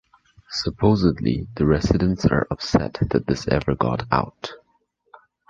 Supposedly The Residents are upset that this ever got out.